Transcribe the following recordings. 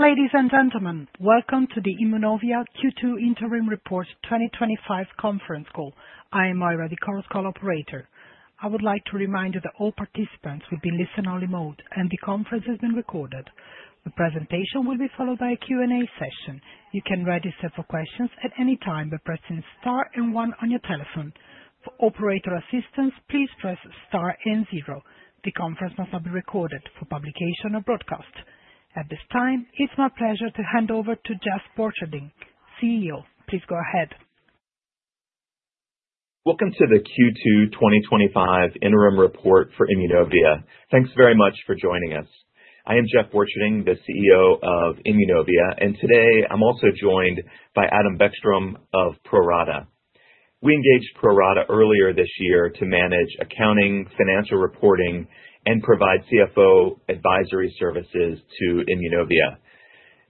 Ladies and gentlemen, welcome to the Immunovia Q2 interim reports 2025 conference call. I am Ira, the Chorus Call operator. I would like to remind you that all participants will be listen only mode, and the conference is being recorded. The presentation will be followed by a Q&A session. You can register for questions at any time by pressing start and one on your telephone. For operator assistance, please press star and zero. The conference must not be recorded for publication or broadcast. At this time, it's my pleasure to hand over to Jeff Borcherding, CEO. Please go ahead. Welcome to the Q2 2025 interim report for Immunovia. Thanks very much for joining us. I am Jeff Borcherding, the CEO of Immunovia, and today I'm also joined by Adam Beckstrom of ProRata. We engaged ProRata earlier this year to manage Accounting, Financial Reporting, and provide CFO Advisory Services to Immunovia.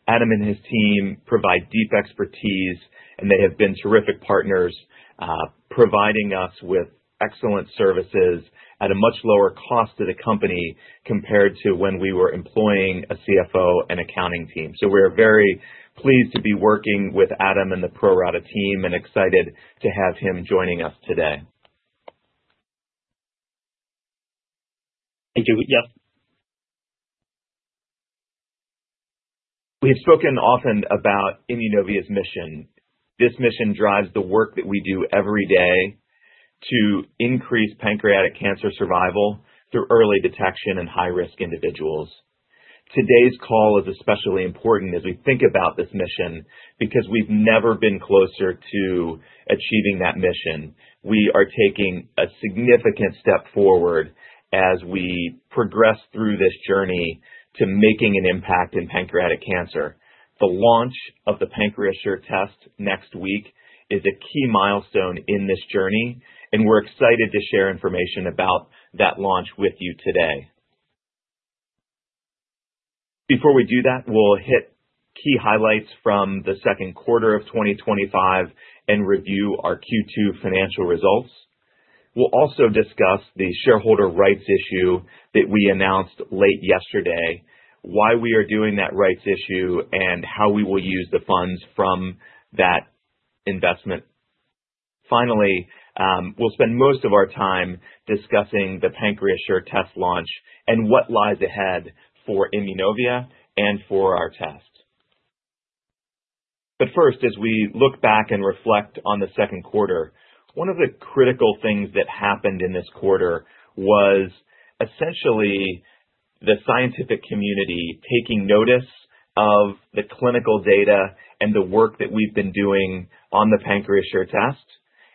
Adam and his team provide deep expertise, and they have been terrific partners, providing us with excellent services at a much lower cost to the company compared to when we were employing a CFO and accounting team. We are very pleased to be working with Adam and the ProRata team and excited to have him joining us today. Thank you, Jeff. We have spoken often about Immunovia's mission. This mission drives the work that we do every day to increase pancreatic cancer survival through early detection in high-risk individuals. Today's call is especially important as we think about this mission because we've never been closer to achieving that mission. We are taking a significant step forward as we progress through this journey to making an impact in pancreatic cancer. The launch of the PancreaSure test next week is a key milestone in this journey, and we're excited to share information about that launch with you today. Before we do that, we'll hit key highlights from the second quarter of 2025 and review our Q2 financial results. We'll also discuss the shareholder rights issue that we announced late yesterday, why we are doing that rights issue, and how we will use the funds from that investment. Finally, we'll spend most of our time discussing the PancreaSure test launch and what lies ahead for Immunovia and for our test. First, as we look back and reflect on the second quarter, one of the critical things that happened in this quarter was essentially the scientific community taking notice of the clinical data and the work that we've been doing on the PancreaSure test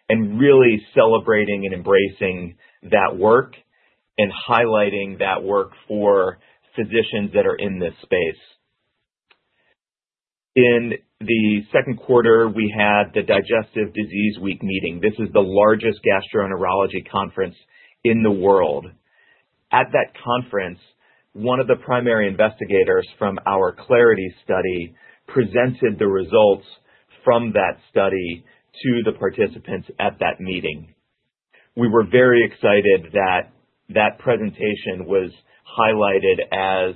and really celebrating and embracing that work and highlighting that work for physicians that are in this space. In the second quarter, we had the Digestive Disease Week meeting. This is the largest gastroenterology conference in the world. At that conference, one of the primary investigators from our Clarity study presented the results from that study to the participants at that meeting. We were very excited that that presentation was highlighted as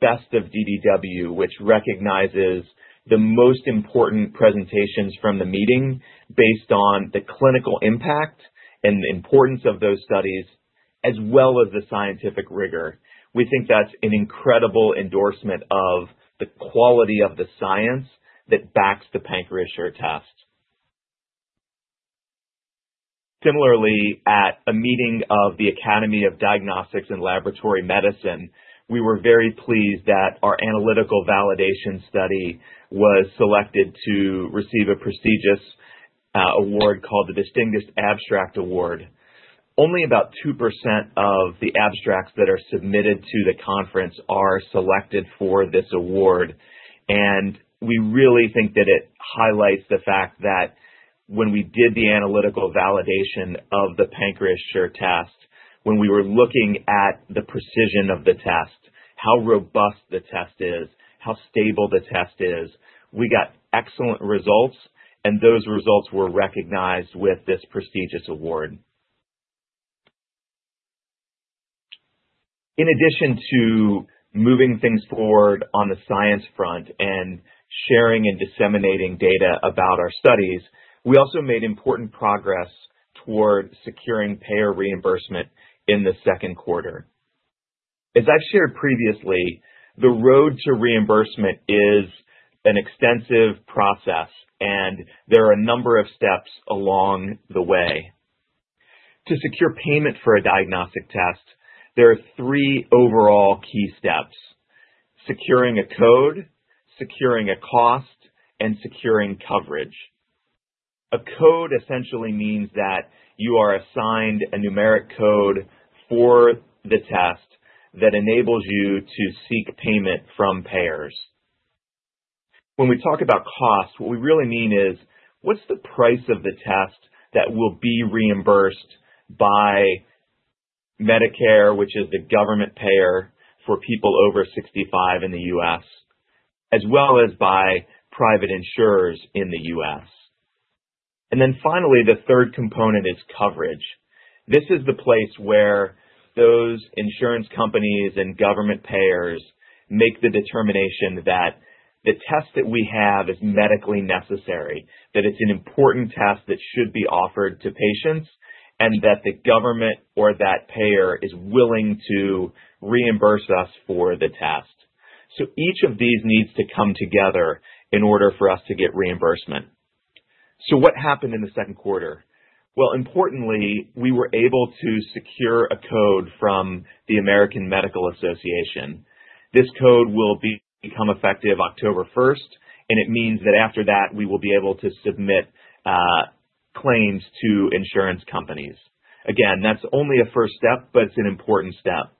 Best of DDW, which recognizes the most important presentations from the meeting based on the clinical impact and the importance of those studies, as well as the scientific rigor. We think that's an incredible endorsement of the quality of the science that backs the PancreaSure test. Similarly, at a meeting of the Academy of Diagnostics and Laboratory Medicine, we were very pleased that our analytical validation study was selected to receive a prestigious award called the Distinguished Abstract Award. Only about 2% of the abstracts that are submitted to the conference are selected for this award, and we really think that it highlights the fact that when we did the analytical validation of the PancreaSure test, when we were looking at the precision of the test, how robust the test is, how stable the test is, we got excellent results, and those results were recognized with this prestigious award. In addition to moving things forward on the science front and sharing and disseminating data about our studies, we also made important progress toward securing payer reimbursement in the second quarter. As I've shared previously, the road to reimbursement is an extensive process, and there are a number of steps along the way. To secure payment for a diagnostic test, there are three overall key steps: securing a code, securing a cost, and securing coverage. A code essentially means that you are assigned a numeric code for the test that enables you to seek payment from payers. When we talk about cost, what we really mean is what's the price of the test that will be reimbursed by Medicare, which is the government payer for people over 65 in the U.S., as well as by private insurers in the U.S. Finally, the third component is coverage. This is the place where those insurance companies and government payers make the determination that the test that we have is medically necessary, that it's an important test that should be offered to patients, and that the government or that payer is willing to reimburse us for the test. Each of these needs to come together in order for us to get reimbursement. What happened in the second quarter? Importantly, we were able to secure a code from the American Medical Association. This code will become effective October 1st, and it means that after that, we will be able to submit claims to insurance companies. Again, that's only a first step, but it's an important step.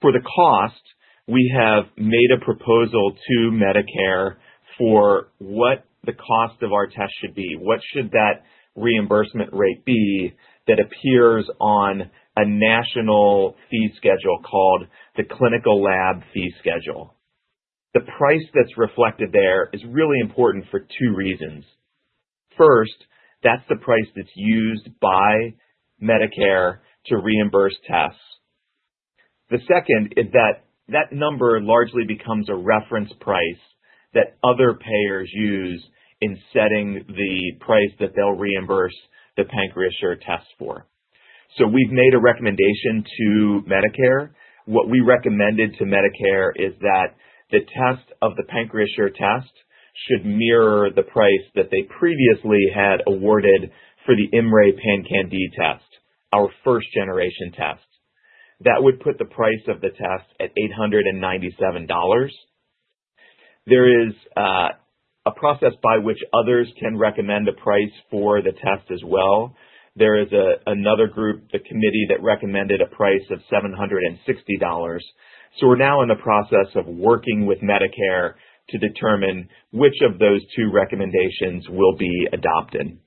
For the cost, we have made a proposal to Medicare for what the cost of our test should be. What should that reimbursement rate be that appears on a national fee schedule called the Clinical Lab Fee Schedule. The price that's reflected there is really important for two reasons. First, that's the price that's used by Medicare to reimburse tests. The second is that that number largely becomes a reference price that other payers use in setting the price that they'll reimburse the PancreaSure test for. We've made a recommendation to Medicare. What we recommended to Medicare is that the price of the PancreaSure test should mirror the price that they previously had awarded for the IMMray PanCan-d test, our first-generation test. That would put the price of the test at $897. There is a process by which others can recommend a price for the test as well. There is another group, the committee, that recommended a price of $760. We're now in the process of working with Medicare to determine which of those two recommendations will be adopted.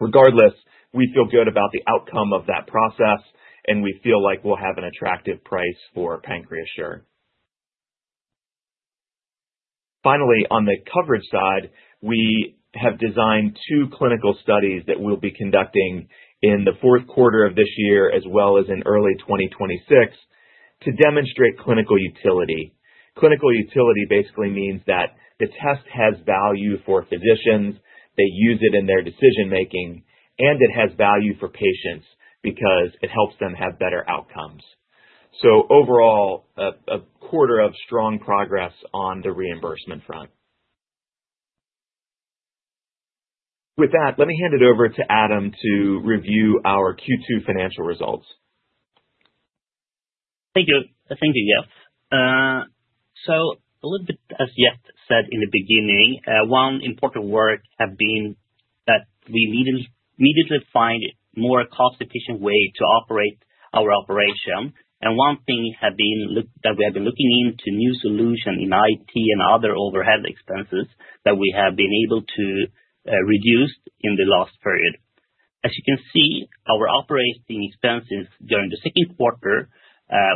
Regardless, we feel good about the outcome of that process, and we feel like we'll have an attractive price for PancreaSure. Finally, on the coverage side, we have designed two clinical studies that we'll be conducting in the fourth quarter of this year, as well as in early 2026, to demonstrate clinical utility. Clinical utility basically means that the test has value for physicians. They use it in their decision-making, and it has value for patients because it helps them have better outcomes. Overall, a quarter of strong progress on the reimbursement front. With that, let me hand it over to Adam to review our Q2 financial results. Thank you. Thank you, Jeff. As Jeff said in the beginning, one important work has been that we need to find a more cost-efficient way to operate our operation. One thing has been that we have been looking into new solutions in IT and other overhead expenses that we have been able to reduce in the last period. As you can see, our operating expenses during the second quarter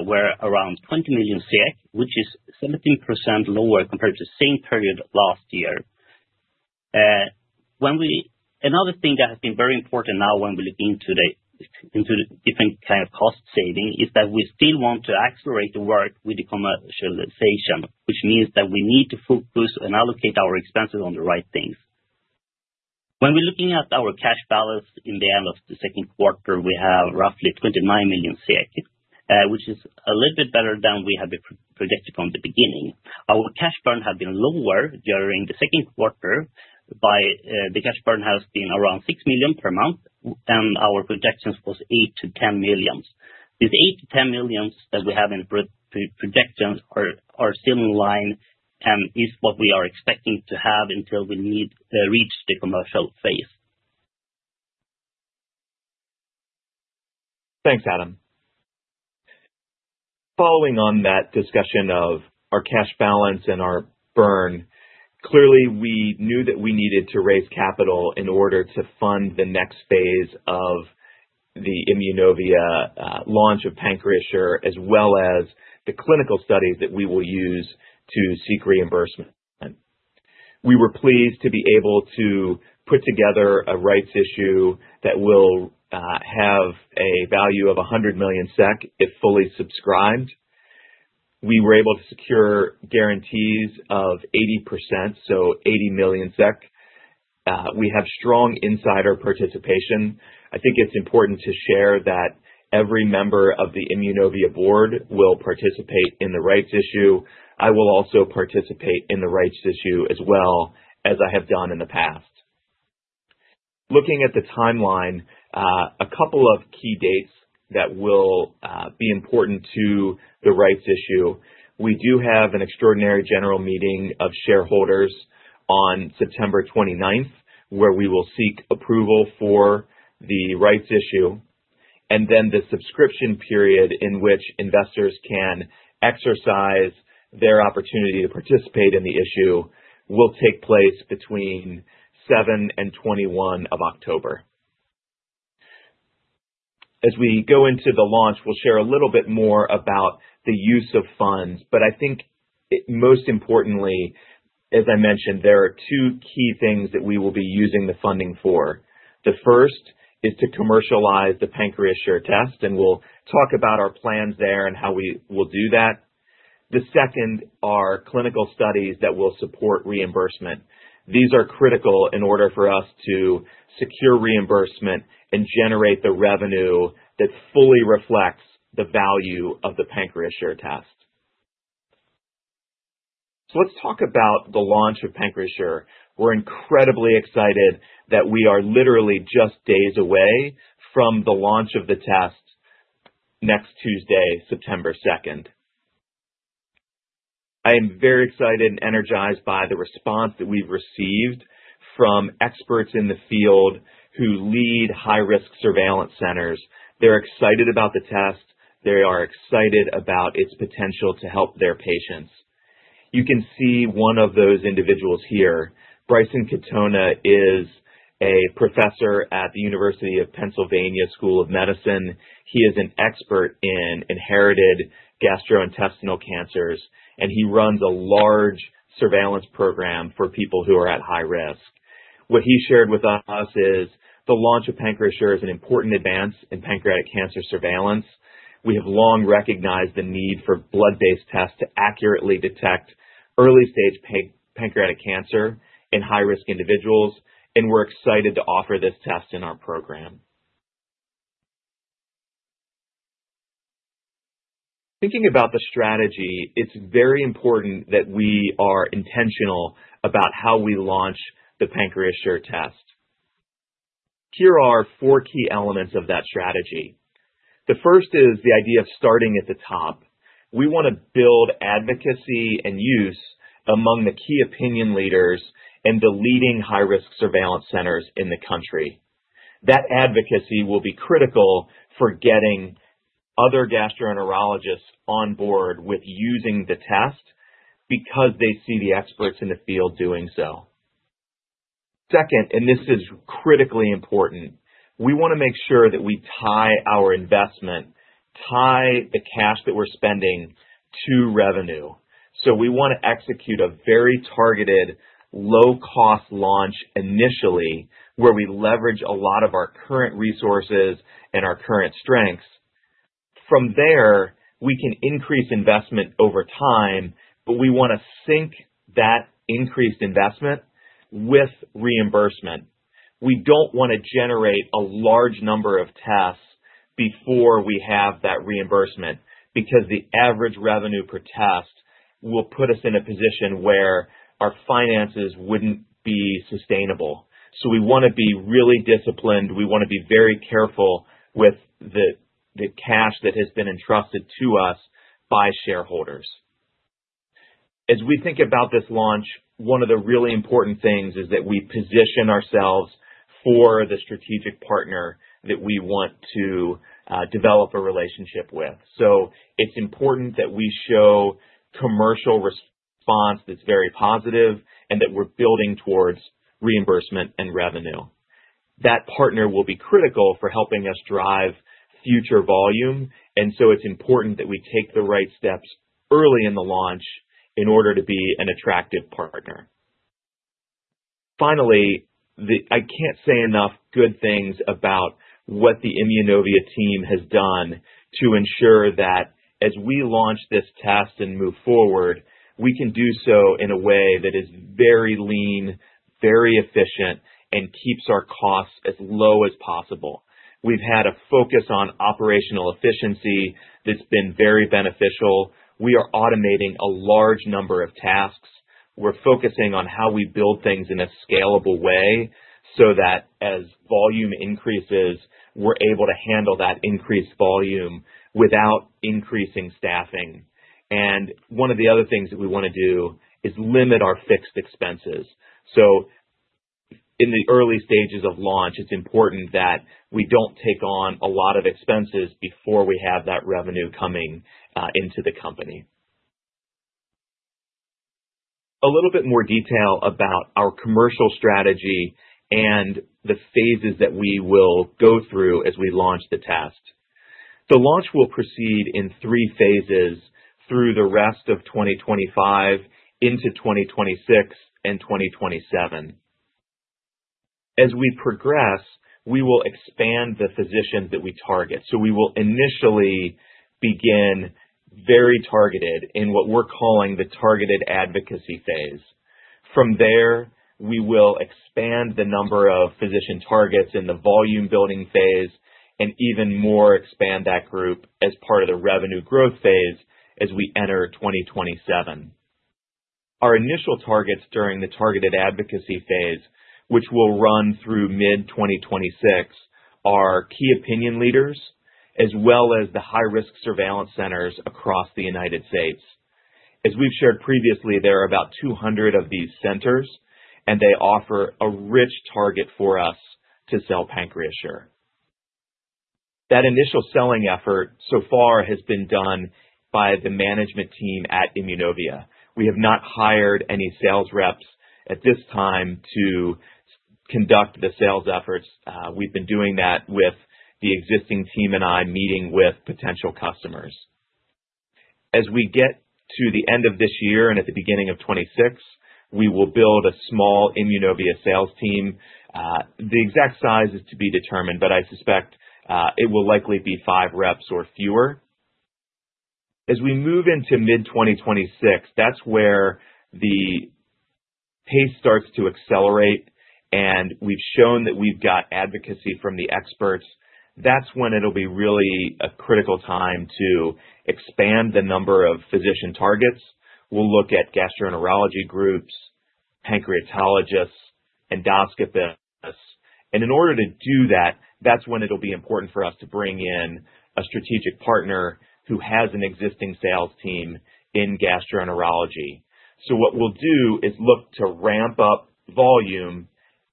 were around 20 million SEK, which is 17% lower compared to the same period last year. Another thing that has been very important now when we look into the different kind of cost saving is that we still want to accelerate the work with the commercialization, which means that we need to focus and allocate our expenses on the right things. When we're looking at our cash balance in the end of the second quarter, we have roughly 29 million, which is a little bit better than we had predicted from the beginning. Our cash burn has been lower during the second quarter. The cash burn has been around 6 million per month, and our projections were 8-10 million. The 8-10 million that we have in projections are still in line and is what we are expecting to have until we reach the commercial phase. Thanks, Adam. Following on that discussion of our cash balance and our burn, clearly we knew that we needed to raise capital in order to fund the next phase of the Immunovia launch of PancreaSure, as well as the clinical studies that we will use to seek reimbursement. We were pleased to be able to put together a rights issue that will have a value of 100 million SEK if fully subscribed. We were able to secure guarantees of 80%, so 80 million SEK. We have strong insider participation. I think it's important to share that every member of the Immunovia board will participate in the rights issue. I will also participate in the rights issue as well as I have done in the past. Looking at the timeline, a couple of key dates that will be important to the rights issue. We do have an extraordinary general meeting of shareholders on September 29, where we will seek approval for the rights issue. The subscription period in which investors can exercise their opportunity to participate in the issue will take place between 7 and 21 of October. As we go into the launch, we'll share a little bit more about the use of funds. I think most importantly, as I mentioned, there are two key things that we will be using the funding for. The first is to commercialize the PancreaSure test, and we'll talk about our plans there and how we will do that. The second are clinical studies that will support reimbursement. These are critical in order for us to secure reimbursement and generate the revenue that fully reflects the value of the PancreaSure test. Let's talk about the launch of PancreaSure. We're incredibly excited that we are literally just days away from the launch of the test next Tuesday, September 2nd. I am very excited and energized by the response that we've received from experts in the field who lead high-risk surveillance centers. They're excited about the test. They are excited about its potential to help their patients. You can see one of those individuals here. Bryson Katona is a Professor at the University of Pennsylvania School of Medicine. He is an expert in inherited gastrointestinal cancers, and he runs a large surveillance program for people who are at high risk. What he shared with us is the launch of PancreaSure is an important advance in pancreatic cancer surveillance. We have long recognized the need for blood-based tests to accurately detect early-stage pancreatic cancer in high-risk individuals, and we're excited to offer this test in our program. Thinking about the strategy, it's very important that we are intentional about how we launch the PancreaSure test. Here are four key elements of that strategy. The first is the idea of starting at the top. We want to build advocacy and use among the key opinion leaders and the leading high-risk surveillance centers in the country. That advocacy will be critical for getting other gastroenterologists on board with using the test because they see the experts in the field doing so. Second, and this is critically important, we want to make sure that we tie our investment, tie the cash that we're spending to revenue. We want to execute a very targeted, low-cost launch initially, where we leverage a lot of our current resources and our current strengths. From there, we can increase investment over time, but we want to sync that increased investment with reimbursement. We don't want to generate a large number of tests before we have that reimbursement because the average revenue per test will put us in a position where our finances wouldn't be sustainable. We want to be really disciplined. We want to be very careful with the cash that has been entrusted to us by shareholders. As we think about this launch, one of the really important things is that we position ourselves for the strategic partner that we want to develop a relationship with. It's important that we show commercial response that's very positive and that we're building towards reimbursement and revenue. That partner will be critical for helping us drive future volume, and it's important that we take the right steps early in the launch in order to be an attractive partner. Finally, I can't say enough good things about what the Immunovia team has done to ensure that as we launch this test and move forward, we can do so in a way that is very lean, very efficient, and keeps our costs as low as possible. We've had a focus on operational efficiency that's been very beneficial. We are automating a large number of tasks. We're focusing on how we build things in a scalable way so that as volume increases, we're able to handle that increased volume without increasing staffing. One of the other things that we want to do is limit our fixed expenses. In the early stages of launch, it's important that we don't take on a lot of expenses before we have that revenue coming into the company. A little bit more detail about our commercial strategy and the phases that we will go through as we launch the test. The launch will proceed in three phases through the rest of 2025, into 2026, and 2027. As we progress, we will expand the physician that we target. We will initially begin very targeted in what we're calling the Targeted Advocacy phase. From there, we will expand the number of physician targets in the Volume-Building phase and even more expand that group as part of the Revenue Growth phase as we enter 2027. Our initial targets during the Targeted Advocacy phase, which will run through mid-2026, are key opinion leaders as well as the high-risk surveillance centers across the United States. As we've shared previously, there are about 200 of these centers, and they offer a rich target for us to sell PancreaSure. That initial selling effort so far has been done by the management team at Immunovia. We have not hired any sales reps at this time to conduct the sales efforts. We've been doing that with the existing team and I meeting with potential customers. As we get to the end of this year and at the beginning of 2026, we will build a small Immunovia sales team. The exact size is to be determined, but I suspect it will likely be five reps or fewer. As we move into mid-2026, that's where the pace starts to accelerate, and we've shown that we've got advocacy from the experts. That will be a critical time to expand the number of physician targets. We'll look at gastroenterology groups, pancreatologists, endoscopists. In order to do that, it will be important for us to bring in a strategic partner who has an existing sales team in gastroenterology. We will look to ramp up volume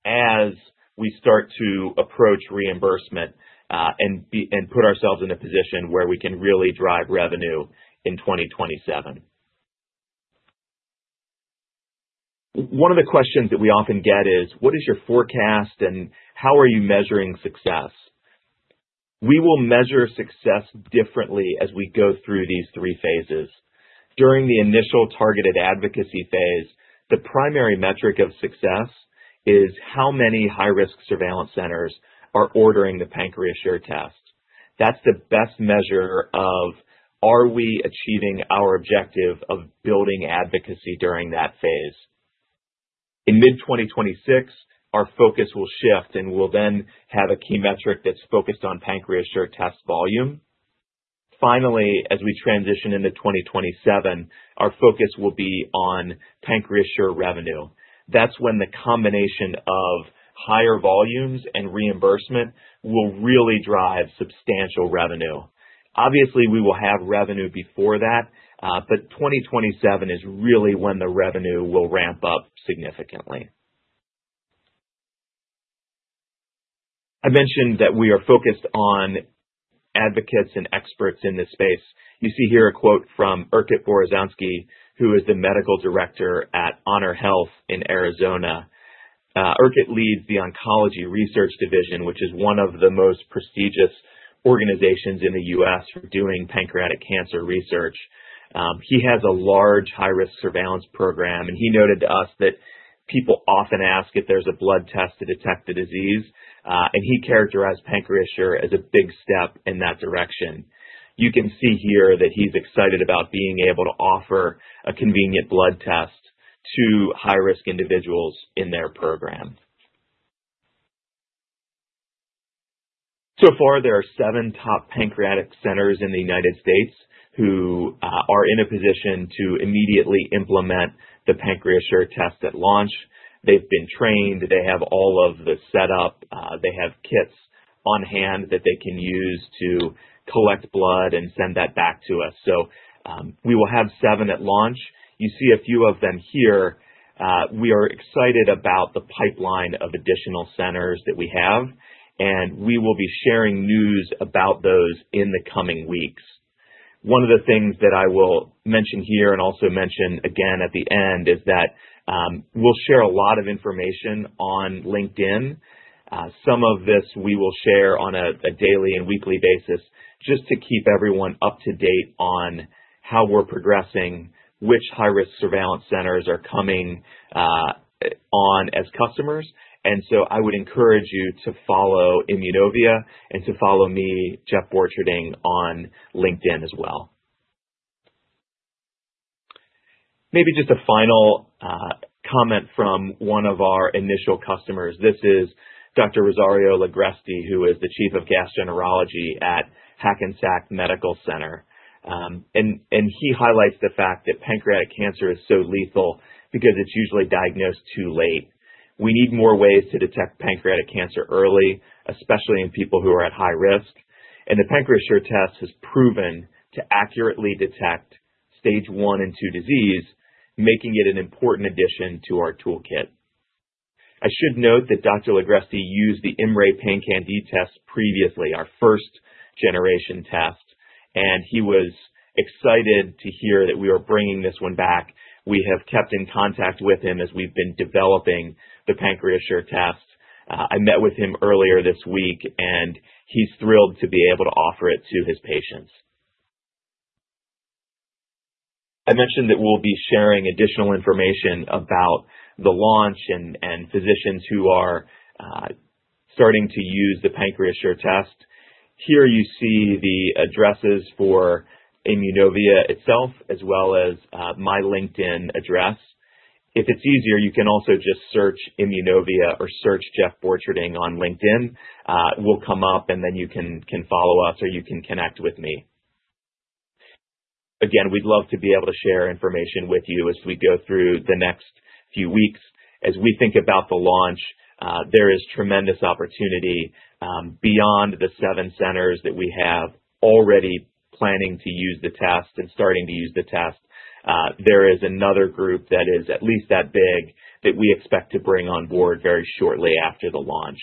as we start to approach reimbursement and put ourselves in a position where we can really drive revenue in 2027. One of the questions that we often get is, what is your forecast and how are you measuring success? We will measure success differently as we go through these three phases. During the initial Targeted Advocacy phase, the primary metric of success is how many high-risk surveillance centers are ordering the PancreaSure test. That's the best measure of are we achieving our objective of building advocacy during that phase? In mid-2026, our focus will shift, and we'll then have a key metric that's focused on PancreaSure test volume. Finally, as we transition into 2027, our focus will be on PancreaSure revenue. That's when the combination of higher volumes and reimbursement will really drive substantial revenue. Obviously, we will have revenue before that, but 2027 is really when the revenue will ramp up significantly. I mentioned that we are focused on advocates and experts in this space. You see here a quote from Erkut Borazanci, who is the Medical Director at HonorHealth in Arizona. Erkut leads the Oncology Research division, which is one of the most prestigious organizations in the U.S. for doing pancreatic cancer research. He has a large high-risk surveillance program, and he noted to us that people often ask if there's a blood test to detect the disease, and he characterized PancreaSure as a big step in that direction. You can see here that he's excited about being able to offer a convenient blood test to high-risk individuals in their program. So far, there are seven top pancreatic centers in the United States who are in a position to immediately implement the PancreaSure test at launch. They've been trained. They have all of the setup. They have kits on hand that they can use to collect blood and send that back to us. We will have seven at launch. You see a few of them here. We are excited about the pipeline of additional centers that we have, and we will be sharing news about those in the coming weeks. One of the things that I will mention here and also mention again at the end is that we'll share a lot of information on LinkedIn. Some of this we will share on a daily and weekly basis just to keep everyone up to date on how we're progressing, which high-risk surveillance centers are coming on as customers. I would encourage you to follow Immunovia and to follow me, Jeff Borcherding, on LinkedIn as well. Maybe just a final comment from one of our initial customers. This is Dr. Rosario Ligresti, who is the Chief of Gastroenterology at Hackensack Medical Center. He highlights the fact that pancreatic cancer is so lethal because it's usually diagnosed too late. We need more ways to detect pancreatic cancer early, especially in people who are at high risk. The PancreaSure test has proven to accurately detect Stage 1 and 2 disease, making it an important addition to our toolkit. I should note that Dr. Ligresti used the IMMray PanCan-d test previously, our first-generation test, and he was excited to hear that we were bringing this one back. We have kept in contact with him as we've been developing the PancreaSure test. I met with him earlier this week, and he's thrilled to be able to offer it to his patients. I mentioned that we'll be sharing additional information about the launch and physicians who are starting to use the PancreaSure test. Here you see the addresses for Immunovia itself, as well as my LinkedIn address. If it's easier, you can also just search Immunovia or search Jeff Borcherding on LinkedIn. We'll come up, and then you can follow us or you can connect with me. Again, we'd love to be able to share information with you as we go through the next few weeks. As we think about the launch, there is tremendous opportunity beyond the seven centers that we have already planning to use the test and starting to use the test. There is another group that is at least that big that we expect to bring on board very shortly after the launch.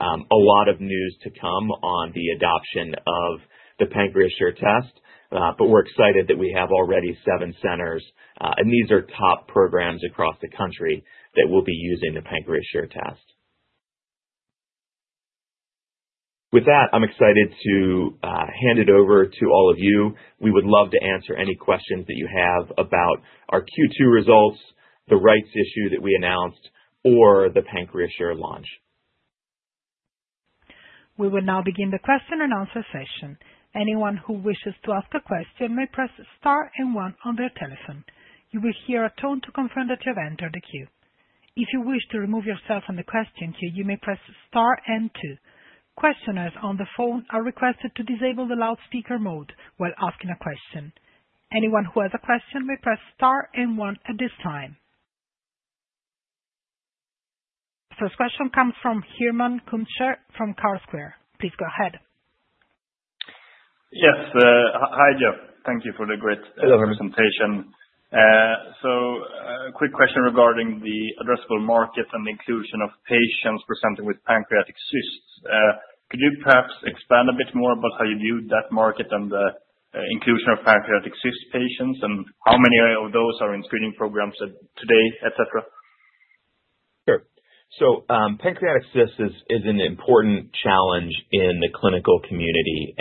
A lot of news to come on the adoption of the PancreaSure test, but we're excited that we have already seven centers, and these are top programs across the country that will be using the PancreaSure test. With that, I'm excited to hand it over to all of you. We would love to answer any questions that you have about our Q2 results, the rights issue that we announced, or the PancreaSure launch. We will now begin the question-and-answer session. Anyone who wishes to ask a question may press star and one on their telephone. You will hear a tone to confirm that you have entered the queue. If you wish to remove yourself from the question queue, you may press star and two. Questioners on the phone are requested to disable the loudspeaker mode while asking a question. Anyone who has a question may press star and one at this time. First question comes from Herman Kuntscher from Carlsquare. Please go ahead. Yes. Hi, Jeff. Thank you for the great presentation. A quick question regarding the addressable market and the inclusion of patients presenting with pancreatic cysts. Could you perhaps expand a bit more about how you view that market and the inclusion of pancreatic cysts patients, and how many of those are in screening programs today, etc? Pancreatic cysts is an important challenge in the clinical community.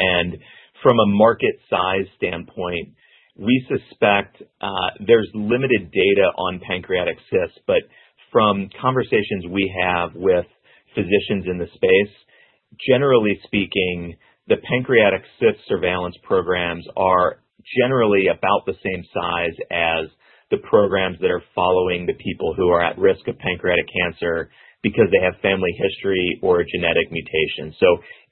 From a market size standpoint, we suspect there's limited data on pancreatic cysts. From conversations we have with physicians in the space, generally speaking, the pancreatic cyst surveillance programs are generally about the same size as the programs that are following the people who are at risk of pancreatic cancer because they have family history or a genetic mutation.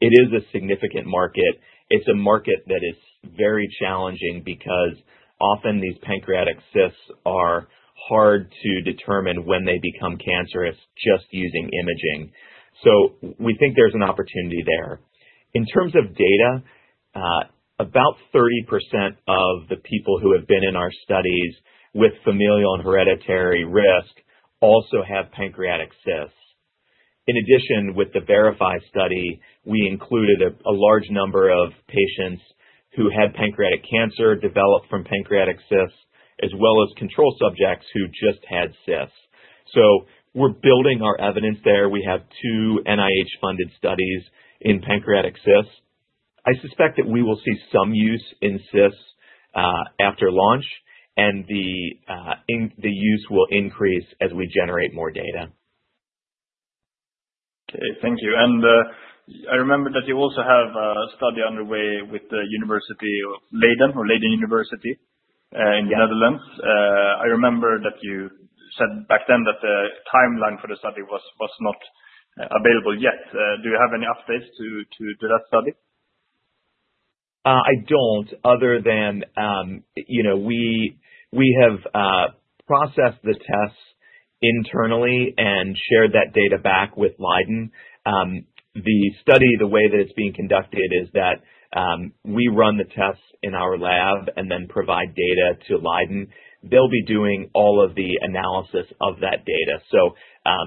It is a significant market. It is a market that is very challenging because often these pancreatic cysts are hard to determine when they become cancerous just using imaging. We think there's an opportunity there. In terms of data, about 30% of the people who have been in our studies with familial and hereditary risk also have pancreatic cysts. In addition, with the Verify study, we included a large number of patients who had pancreatic cancer develop from pancreatic cysts, as well as control subjects who just had cysts. We are building our evidence there. We have two NIH-funded studies in pancreatic cysts. I suspect that we will see some use in cysts after launch, and the use will increase as we generate more data. Thank you. I remember that you also have a study underway with Leiden University in the Netherlands. I remember that you said back then that the timeline for the study was not available yet. Do you have any updates to that study? I don't, other than you know we have processed the tests internally and shared that data back with Leiden. The study, the way that it's being conducted, is that we run the tests in our lab and then provide data to Leiden. They'll be doing all of the analysis of that data.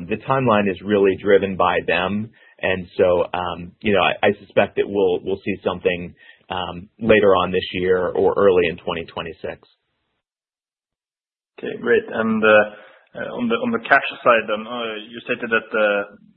The timeline is really driven by them. I suspect that we'll see something later on this year or early in 2026. Okay, great. On the cash side, you stated that the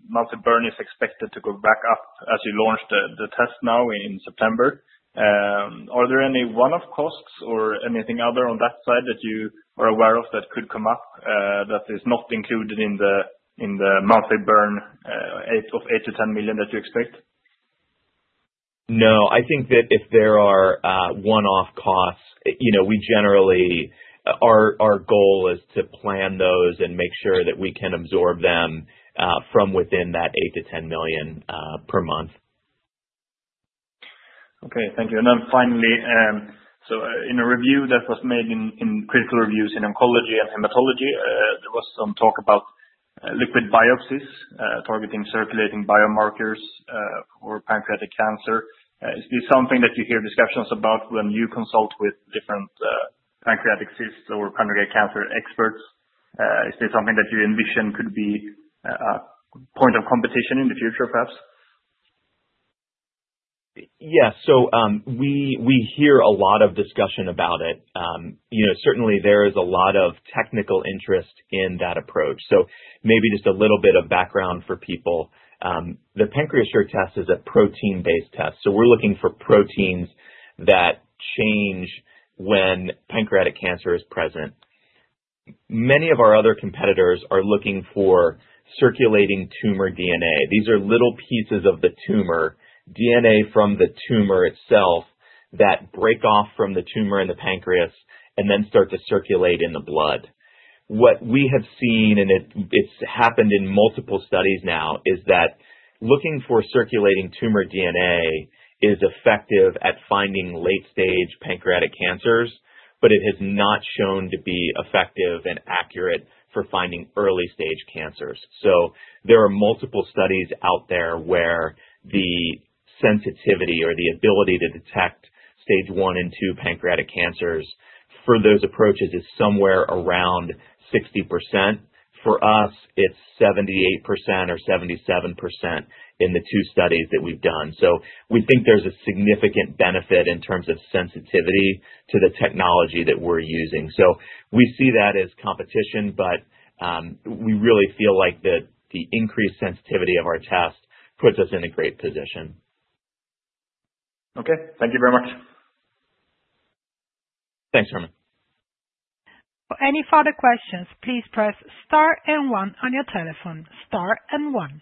monthly burn is expected to go back up as you launch the test now in September. Are there any one-off costs or anything else on that side that you are aware of that could come up that is not included in the monthly burn of 8 million-10 million that you expect? No. I think that if there are one-off costs, our goal is to plan those and make sure that we can absorb them from within that 8 million--10 million per month. Thank you. In a review that was made in Critical Reviews in Oncology and Hematology, there was some talk about liquid biopsies targeting circulating biomarkers for pancreatic cancer. Is this something that you hear discussions about when you consult with different pancreatic cyst or pancreatic cancer experts? Is this something that you envision could be a point of competition in the future, perhaps? Yeah. We hear a lot of discussion about it. You know, certainly, there is a lot of technical interest in that approach. Maybe just a little bit of background for people. The PancreaSure test is a protein-based test. We're looking for proteins that change when pancreatic cancer is present. Many of our other competitors are looking for circulating tumor DNA. These are little pieces of the tumor, DNA from the tumor itself that break off from the tumor in the pancreas and then start to circulate in the blood. What we have seen, and it's happened in multiple studies now, is that looking for circulating tumor DNA is effective at finding late-stage pancreatic cancers, but it has not shown to be effective and accurate for finding early-stage cancers. There are multiple studies out there where the sensitivity or the ability to detect Stage 1 and 2 pancreatic cancers for those approaches is somewhere around 60%. For us, it's 78% or 77% in the two studies that we've done. We think there's a significant benefit in terms of sensitivity to the technology that we're using. We see that as competition, but we really feel like the increased sensitivity of our test puts us in a great position. Okay, thank you very much. Thanks, Herman. For any further questions, please press star and one on your telephone. star and one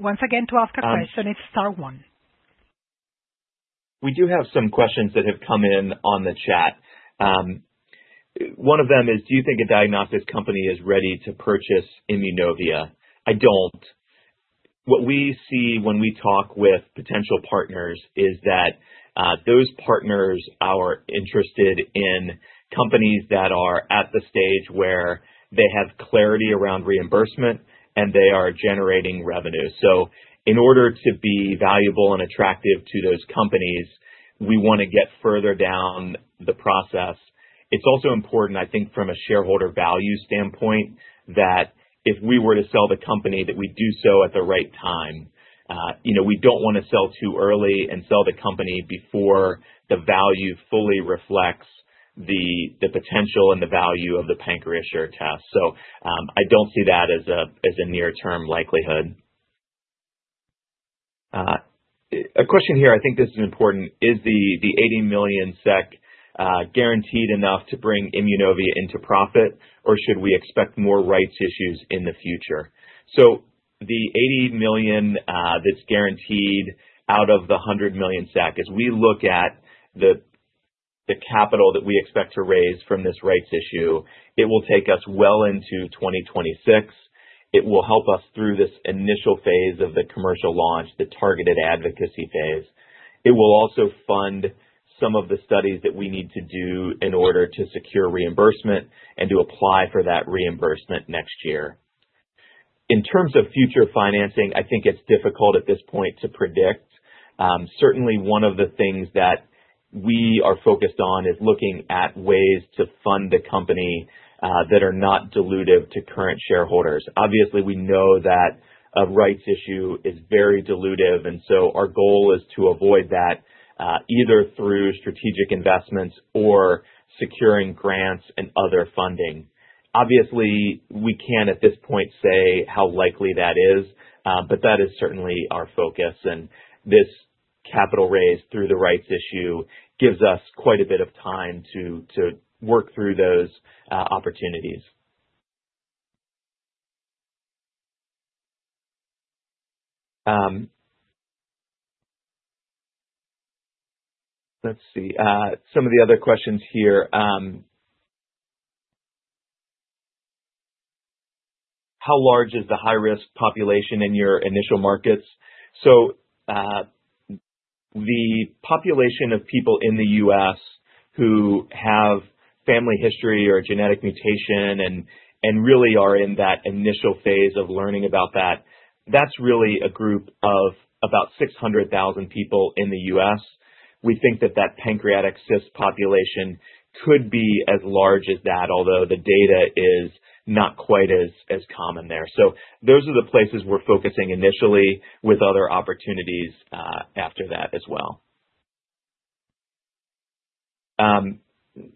Once again, to ask a question, it's star one. We do have some questions that have come in on the chat. One of them is, do you think a diagnostics company is ready to purchase Immunovia? I don't. What we see when we talk with potential partners is that those partners are interested in companies that are at the stage where they have clarity around reimbursement and they are generating revenue. In order to be valuable and attractive to those companies, we want to get further down the process. It's also important, I think, from a shareholder value standpoint that if we were to sell the company, that we do so at the right time. We don't want to sell too early and sell the company before the value fully reflects the potential and the value of the PancreaSure test. I don't see that as a near-term likelihood. A question here, I think this is important. Is the 80 million SEK guaranteed enough to bring Immunovia into profit, or should we expect more rights issues in the future? The 80 million that's guaranteed out of the 100 million SEK, as we look at the capital that we expect to raise from this rights issue, it will take us well into 2026. It will help us through this initial phase of the commercial launch, the targeted advocacy phase. It will also fund some of the studies that we need to do in order to secure reimbursement and to apply for that reimbursement next year. In terms of future financing, I think it's difficult at this point to predict. Certainly, one of the things that we are focused on is looking at ways to fund the company that are not dilutive to current shareholders. Obviously, we know that a rights issue is very dilutive, and our goal is to avoid that either through strategic investments or securing grants and other funding. Obviously, we can't at this point say how likely that is, but that is certainly our focus. This capital raised through the rights issue gives us quite a bit of time to work through those opportunities. Let's see. Some of the other questions here. How large is the high-risk population in your initial markets? The population of people in the U.S. who have family history or genetic mutation and really are in that initial phase of learning about that, that's really a group of about 600,000 people in the U.S. We think that that pancreatic cyst population could be as large as that, although the data is not quite as common there. Those are the places we're focusing initially with other opportunities after that as well.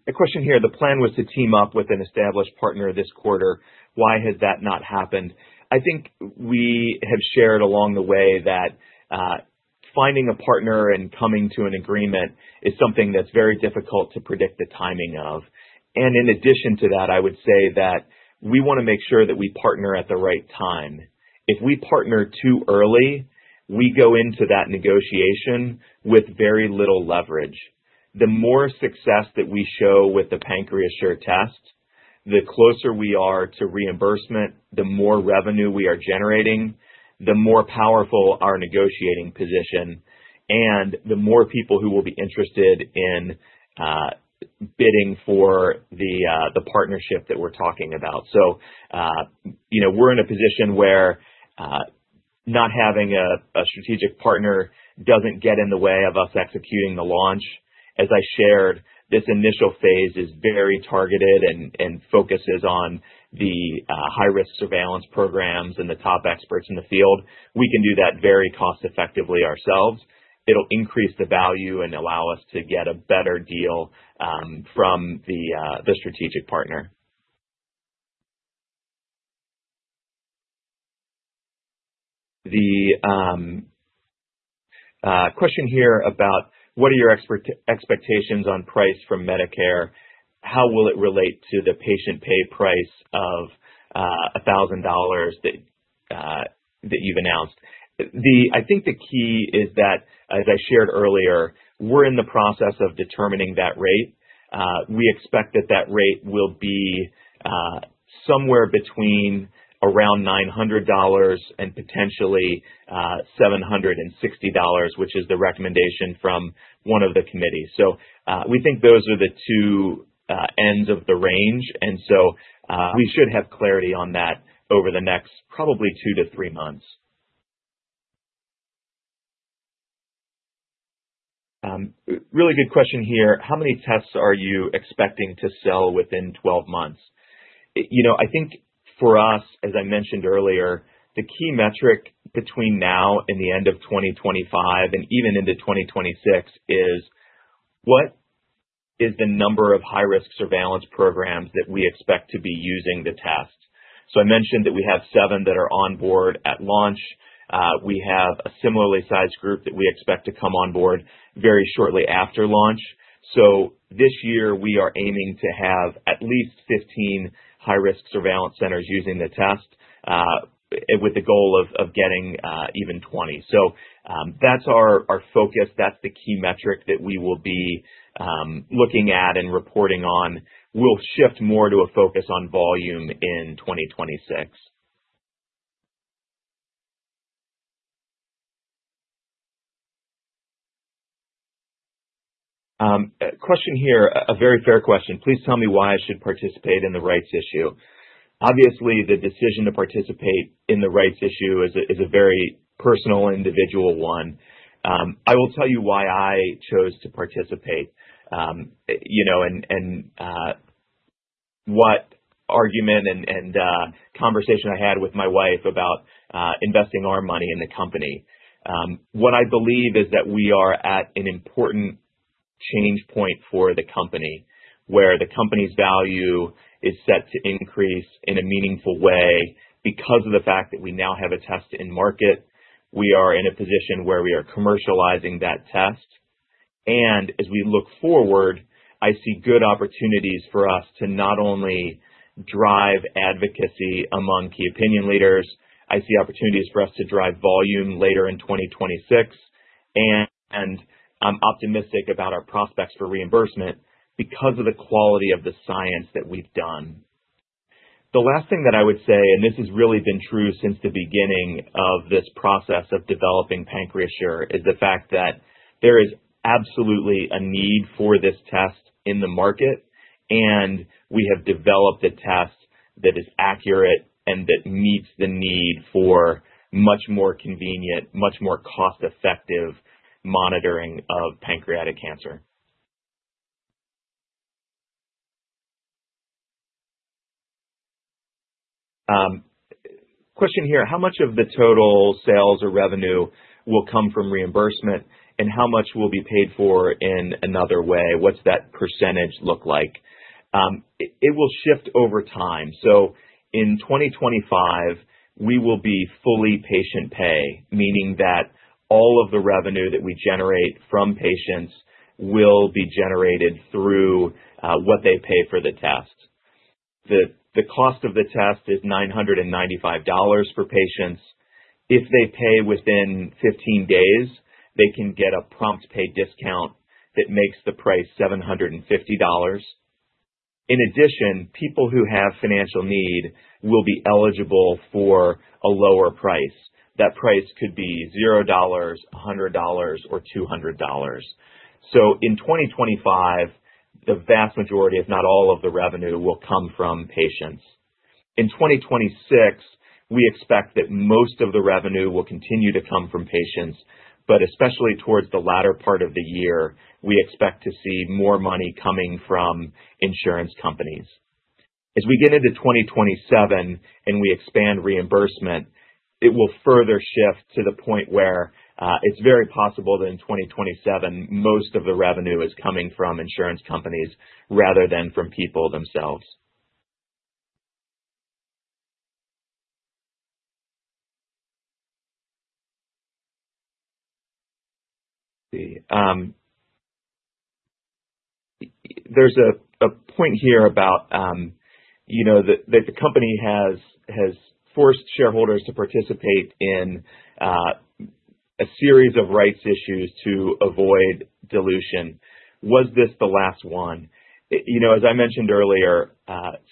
A question here. The plan was to team up with an established partner this quarter. Why has that not happened? I think we have shared along the way that finding a partner and coming to an agreement is something that's very difficult to predict the timing of. In addition to that, I would say that we want to make sure that we partner at the right time. If we partner too early, we go into that negotiation with very little leverage. The more success that we show with the PancreaSure test, the closer we are to reimbursement, the more revenue we are generating, the more powerful our negotiating position, and the more people who will be interested in bidding for the partnership that we're talking about. You know we're in a position where not having a strategic partner doesn't get in the way of us executing the launch. As I shared, this initial phase is very targeted and focuses on the high-risk surveillance programs and the top experts in the field. We can do that very cost-effectively ourselves. It'll increase the value and allow us to get a better deal from the strategic partner. The question here about what are your expectations on price from Medicare? How will it relate to the patient pay price of $1,000 that you've announced? I think the key is that, as I shared earlier, we're in the process of determining that rate. We expect that that rate will be somewhere between around $900 and potentially $760, which is the recommendation from one of the committees. We think those are the two ends of the range, and we should have clarity on that over the next probably two to three months. Really good question here. How many tests are you expecting to sell within 12 months? You know I think for us, as I mentioned earlier, the key metric between now and the end of 2025 and even into 2026 is what is the number of high-risk surveillance programs that we expect to be using the test. I mentioned that we have seven that are on board at launch. We have a similarly sized group that we expect to come on board very shortly after launch. This year, we are aiming to have at least 15 high-risk surveillance centers using the test, with the goal of getting even 20. That's our focus. That's the key metric that we will be looking at and reporting on. We'll shift more to a focus on volume in 2026. Question here, a very fair question. Please tell me why I should participate in the rights issue. Obviously, the decision to participate in the rights issue is a very personal and individual one. I will tell you why I chose to participate and what argument and conversation I had with my wife about investing our money in the company. What I believe is that we are at an important change point for the company, where the company's value is set to increase in a meaningful way because of the fact that we now have a test in market. We are in a position where we are commercializing that test. As we look forward, I see good opportunities for us to not only drive advocacy among key opinion leaders, I see opportunities for us to drive volume later in 2026, and I'm optimistic about our prospects for reimbursement because of the quality of the science that we've done. The last thing that I would say, and this has really been true since the beginning of this process of developing PancreaSure, is the fact that there is absolutely a need for this test in the market, and we have developed a test that is accurate and that meets the need for much more convenient, much more cost-effective monitoring of pancreatic cancer. Question here. How much of the total sales or revenue will come from reimbursement, and how much will be paid for in another way? What's that percentage look like? It will shift over time. In 2025, we will be fully patient pay, meaning that all of the revenue that we generate from patients will be generated through what they pay for the test. The cost of the test is $995 for patients. If they pay within 15 days, they can get a prompt pay discount that makes the price $750. In addition, people who have financial need will be eligible for a lower price. That price could be $0, $100, or $200. In 2025, the vast majority, if not all, of the revenue will come from patients. In 2026, we expect that most of the revenue will continue to come from patients, but especially towards the latter part of the year, we expect to see more money coming from insurance companies. As we get into 2027 and we expand reimbursement, it will further shift to the point where it's very possible that in 2027, most of the revenue is coming from insurance companies rather than from people themselves. There's a point here about that the company has forced shareholders to participate in a series of rights issues to avoid dilution. Was this the last one? You know, as I mentioned earlier,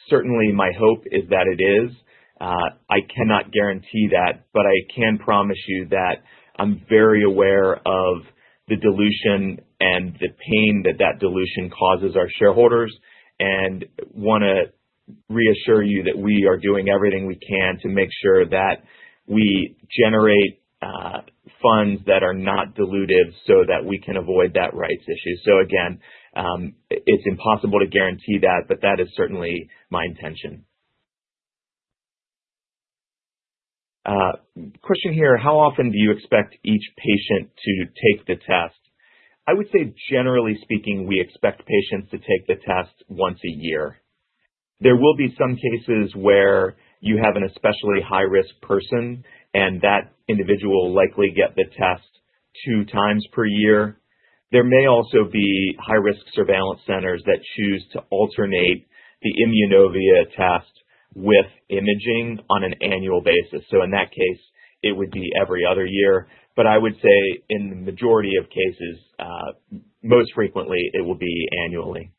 certainly, my hope is that it is. I cannot guarantee that, but I can promise you that I'm very aware of the dilution and the pain that that dilution causes our shareholders and want to reassure you that we are doing everything we can to make sure that we generate funds that are not dilutive so that we can avoid that rights issue. It's impossible to guarantee that, but that is certainly my intention. Question here. How often do you expect each patient to take the test? I would say, generally speaking, we expect patients to take the test once a year. There will be some cases where you have an especially high-risk person, and that individual will likely get the test 2x per year. There may also be high-risk surveillance centers that choose to alternate the Immunovia test with imaging on an annual basis. In that case, it would be every other year. I would say in the majority of cases, most frequently, it will be annually.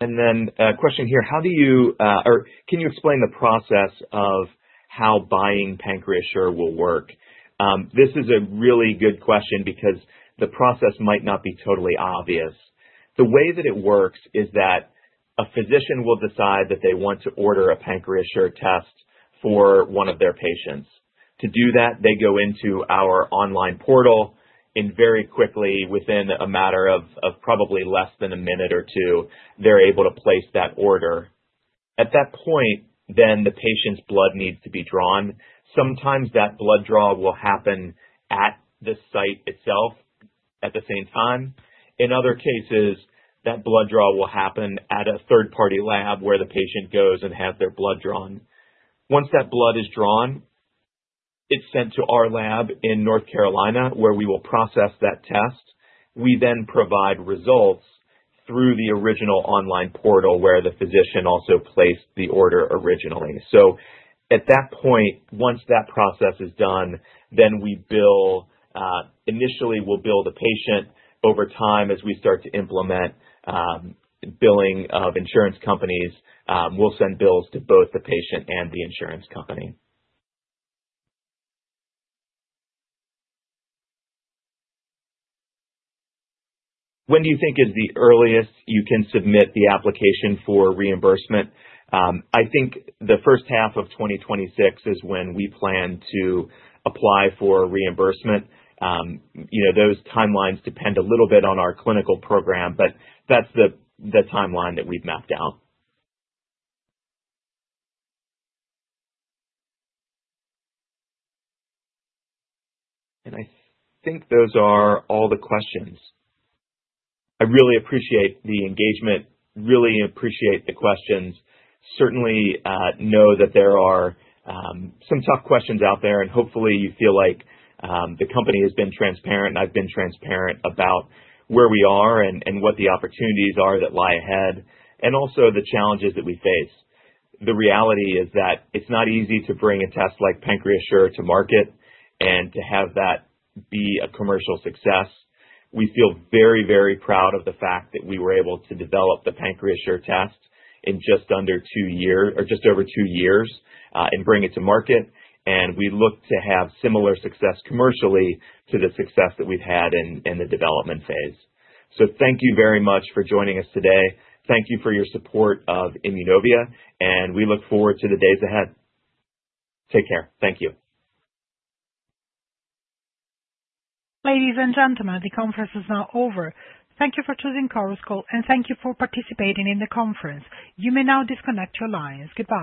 A question here. How do you, or can you explain the process of how buying PancreaSure will work? This is a really good question because the process might not be totally obvious. The way that it works is that a physician will decide that they want to order a PancreaSure test for one of their patients. To do that, they go into our online portal, and very quickly, within a matter of probably less than a minute or two, they're able to place that order. At that point, the patient's blood needs to be drawn. Sometimes that blood draw will happen at the site itself at the same time. In other cases, that blood draw will happen at a third-party lab where the patient goes and has their blood drawn. Once that blood is drawn, it's sent to our lab in North Carolina, where we will process that test. We then provide results through the original online portal where the physician also placed the order originally. At that point, once that process is done, we bill. Initially, we'll bill the patient. Over time, as we start to implement billing of insurance companies, we'll send bills to both the patient and the insurance company. When do you think is the earliest you can submit the application for reimbursement? I think the first half of 2026 is when we plan to apply for reimbursement. Those timelines depend a little bit on our clinical program, but that's the timeline that we've mapped out. I think those are all the questions. I really appreciate the engagement. Really appreciate the questions. Certainly, know that there are some tough questions out there, and hopefully, you feel like the company has been transparent and I've been transparent about where we are and what the opportunities are that lie ahead and also the challenges that we face. The reality is that it's not easy to bring a test like PancreaSure to market and to have that be a commercial success. We feel very, very proud of the fact that we were able to develop the PancreaSure test in just under two years or just over two years and bring it to market. We look to have similar success commercially to the success that we've had in the development phase. Thank you very much for joining us today. Thank you for your support of Immunovia, and we look forward to the days ahead. Take care. Thank you. Ladies and gentlemen, the conference is now over. Thank you for choosing Chorus Call and thank you for participating in the conference. You may now disconnect your lines. Goodbye.